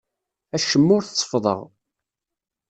Acemma ur t-seffḍeɣ.